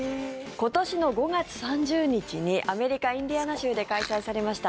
今年の５月３０日にアメリカ・インディアナ州で開催されました